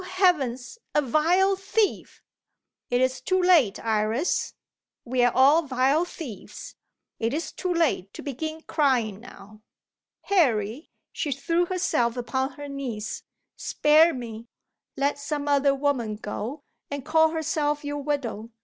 heavens! a vile thief! "It is too late, Iris! We are all vile thieves. It is too late to begin crying now." "Harry" she threw herself upon her knees "spare me! Let some other woman go, and call herself your widow.